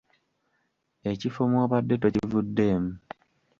Ekifo mw'obadde tokivuddeemu.